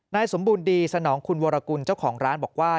สมบูรณ์ดีสนองคุณวรกุลเจ้าของร้านบอกว่า